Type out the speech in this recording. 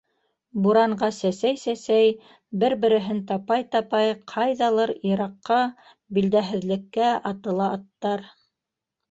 Буранға сәсәй-сәсәй, бер-береһен тапай- тапай ҡайҙалыр йыраҡҡа, билдәһеҙлеккә атыла аттар.